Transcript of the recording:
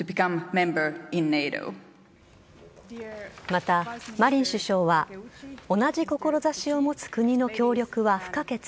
また、マリン首相は同じ志を持つ国の協力は不可欠。